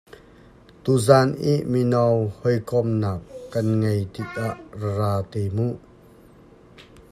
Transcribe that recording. Tuzaan i mino hawikomhnak kan ngeih tik ah rak ra te mu.